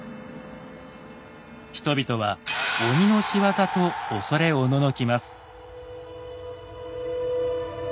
人々は鬼の仕業と恐れおののきます。